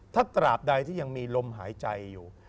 ถ้าตราบใดที่ยังมีลมหายใจอยู่